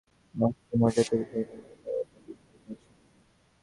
জার্মানির গবেষকেরা সম্প্রতি কৃত্রিম অস্থি মজ্জা তৈরির ক্ষেত্রে সাফল্য পাওয়ার দাবি করেছেন।